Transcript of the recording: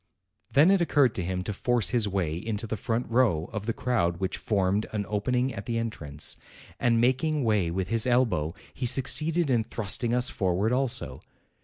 Then it occurred to him to force his way into the front row of the crowd which formed an open ing at the entrance; and making way with his elbow, he succeeded in thrusting us forward also.